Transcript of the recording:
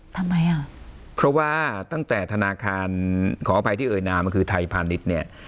ทำไมอ่ะเพราะว่าตั้งแต่ธนาคารขออภัยที่เอ่ยนามคือไทยพาณิชย์เนี่ย